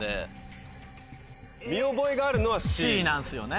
Ｃなんですよね